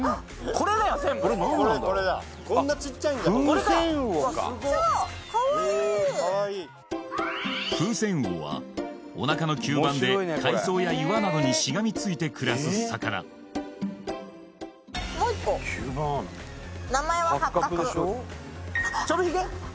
これだこんなちっちゃいんだこれかちっちゃかわいいフウセンウオはおなかの吸盤で海藻や岩などにしがみついて暮らす魚もう一個名前はハッカクチョビヒゲ？